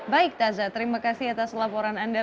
baik taza terima kasih atas laporan anda